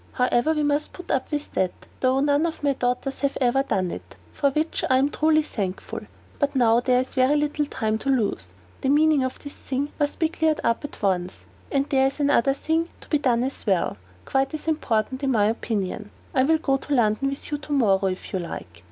However, we must put up with that, though none of my daughters have ever done it; for which I am truly thankful. But now there is very little time to lose. The meaning of this thing must be cleared up at once. And there is another thing to be done as well, quite as important, in my opinion. I will go to London with you to morrow, if you like.